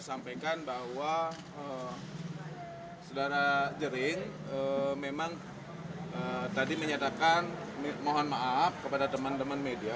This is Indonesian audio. sampaikan bahwa saudara jering memang tadi menyatakan mohon maaf kepada teman teman media